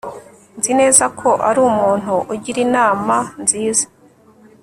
nzi neza ko ari umuntu ugira inama nziza